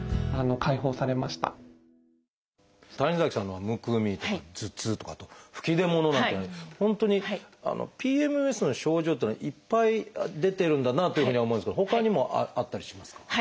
谷崎さんのはむくみとか頭痛とかあと吹き出物なんていうような本当にＰＭＳの症状っていうのはいっぱい出てるんだなというふうには思うんですけどほかにもあったりしますか？